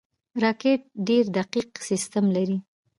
راکټ ډېر دقیق سیستم لري